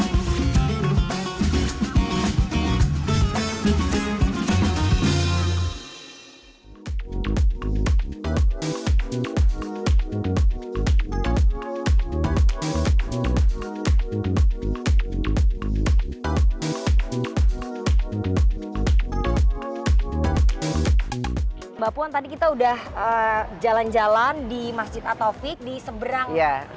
mbak puan tadi kita udah jalan jalan di masjid attawfiq di seberang sekolah partai